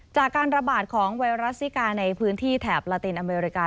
จากการระบาดของไวรัสซิกาในพื้นที่แถบลาตินอเมริกา